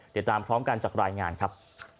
ติดตามพร้อมกันจากรายงานครับ